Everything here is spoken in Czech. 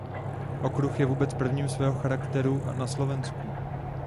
Okruh je vůbec prvním svého charakteru na Slovensku.